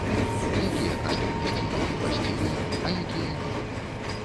Якія каштоўнасці ім уласцівыя, а якія не?